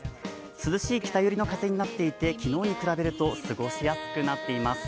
涼しい北寄りの風になっていて昨日に比べると過ごしやすくなっています。